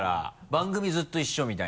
番組ずっと一緒みたいな？